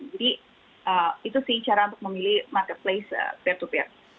jadi itu sih cara untuk memilih marketplace p dua p